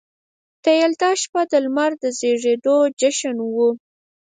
د یلدا شپه د لمر د زیږیدو جشن و